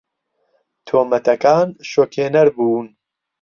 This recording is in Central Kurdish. تۆمەتەکان شۆکهێنەر بوون.